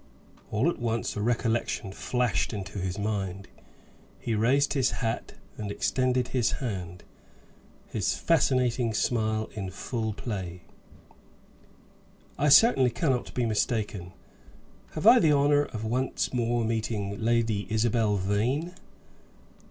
All at once a recollection flashed into his mind; he raised his hat and extended his hand, his fascinating smile in full play. "I certainly cannot be mistaken. Have I the honor of once more meeting Lady Isabel Vane?"